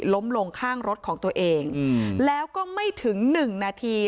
ล้มลงข้างรถของตัวเองแล้วก็ไม่ถึงหนึ่งนาที